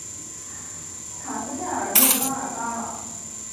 卡斯泰尔诺巴尔巴朗。